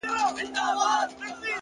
هره تجربه د ژوند نوې پوهه زیاتوي,